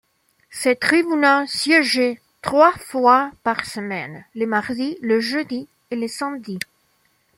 Ce tribunal siégeait trois fois par semaine, le mardi, le jeudi et le samedi.